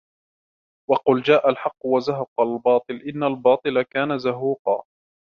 وقل جاء الحق وزهق الباطل إن الباطل كان زهوقا